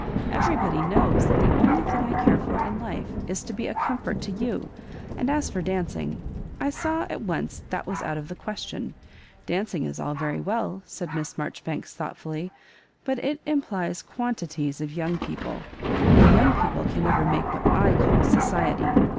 Every body knows that the only thing I care for in life is to be a comfort to you ; and as for dancing, I saw at once that was out of the question. Dancing is all very well," said Miss Marjori banks, thoughtfully ;" but it implies quantities of young people — and young people can never make what /call society.